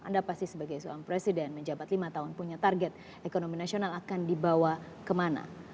anda pasti sebagai suami presiden menjabat lima tahun punya target ekonomi nasional akan dibawa kemana